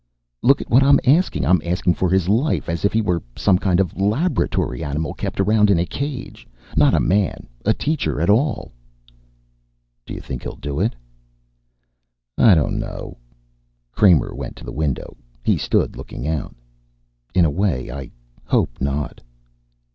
"Look at what I'm asking. I'm asking for his life, as if he were some kind of laboratory animal kept around in a cage, not a man, a teacher at all." "Do you think he'll do it?" "I don't know." Kramer went to the window. He stood looking out. "In a way, I hope not."